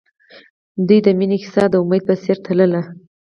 د دوی د مینې کیسه د امید په څېر تلله.